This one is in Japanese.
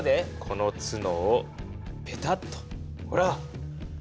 この角をペタッとほら！